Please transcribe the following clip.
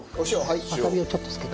わさびをちょっとつけて。